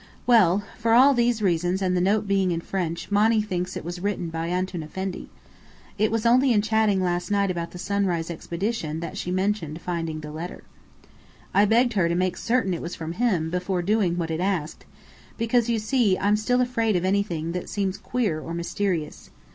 Well, for all these reasons and the note being in French Monny thinks it was written by Antoun Effendi. It was only in chatting last night about the sunrise expedition that she mentioned finding the letter. I begged her to make certain it was from him, before doing what it asked; because, you see, I'm still afraid of anything that seems queer or mysterious.